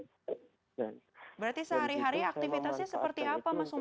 dan gitu saya ngomong berarti sehari hari aktivitas juga itu